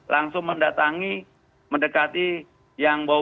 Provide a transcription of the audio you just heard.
langsung mendatangi mendekati yang bau bau